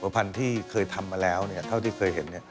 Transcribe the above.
พันธุ์ที่เคยทำมาแล้วเท่าที่เคยเห็น